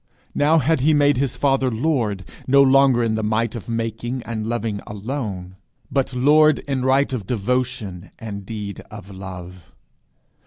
Now had he made his Father Lord no longer in the might of making and loving alone, but Lord in right of devotion and deed of love.